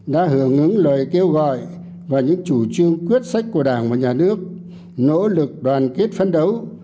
đã hưởng ứng lời kêu gọi và những chủ trương quyết sách của đảng và nhà nước nỗ lực đoàn kết phấn đấu